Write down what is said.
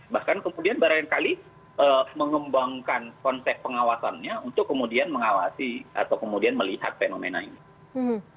bahkan kemudian barangkali mengembangkan konsep pengawasannya untuk kemudian mengawasi atau kemudian melihat fenomena ini